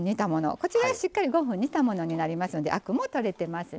こちらしっかり５分煮たものになりますのでアクも取れてますね。